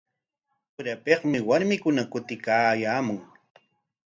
Urapikmi warmikuna kutiykaayaamun.